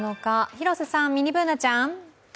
広瀬さん、ミニＢｏｏｎａちゃん。